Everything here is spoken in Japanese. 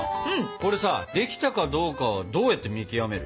これさ出来たかどうかどうやって見極める？